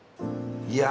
いや